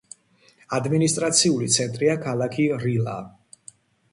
ადმინისტრაციული ცენტრია ქალაქი რილა.